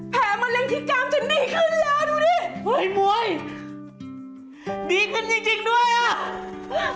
แผลมันเร็งพิกิร์มจะดีขึ้นแล้ว